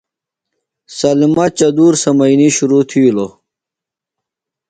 سلمئی چدُور سمئنی شرو تھِیلوۡ۔